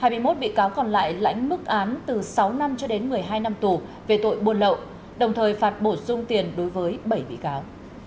hai mươi một bị cáo còn lại lãnh mức án từ sáu năm cho đến một mươi hai năm tù về tội buôn lậu đồng thời phạt bổ sung tiền đối với bảy bị cáo